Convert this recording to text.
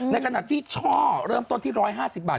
ในขณะที่ช่อเริ่มต้นที่๑๕๐บาท